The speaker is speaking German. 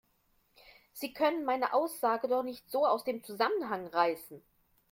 Sie können meine Aussage doch nicht so aus dem Zusammenhang reißen!